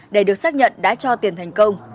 để được xác nhận đã cho tiền thành công